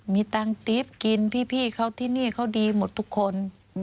มีตังค์ติ๊บกินพี่เขาที่นี่เขาดีหมดทุกคน